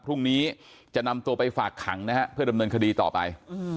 พรุ่งนี้จะนำตัวไปฝากขังนะฮะเพื่อดำเนินคดีต่อไป